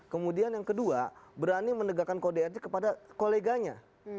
kemudian yang kedua berani menegakkan kode etik kepada koleganya